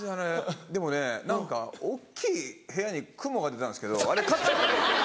でもね何か大っきい部屋にクモが出たんですけどあれ飼ってましたね。